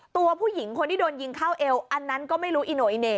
ตัวผู้หญิงคนที่โดนยิงเข้าเอวอันนั้นก็ไม่รู้อิโนอิเน่